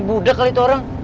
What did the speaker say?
budak kali itu orang